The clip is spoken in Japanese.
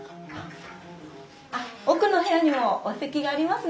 あっ奥の部屋にもお席がありますので。